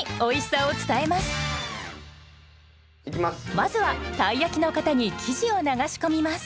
まずはたい焼きの型に生地を流し込みます